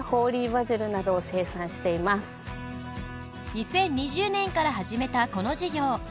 ２０２０年から始めたこの事業